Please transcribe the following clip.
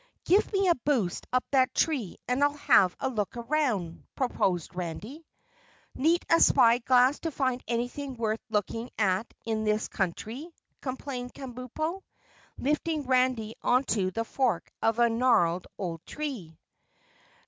"Give me a boost up that tree and I'll have a look around," proposed Randy. "Need a spy glass to find anything worth looking at in this country," complained Kabumpo, lifting Randy into the fork of a gnarled old tree.